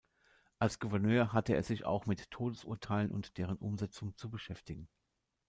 Als Gouverneur hatte er sich auch mit Todesurteilen und deren Umsetzung zu beschäftigen.